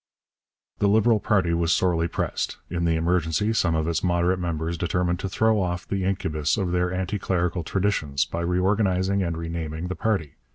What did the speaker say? The Liberal party was sorely pressed. In the emergency some of its moderate members determined to throw off the incubus of their anti clerical traditions by reorganizing and renaming the party.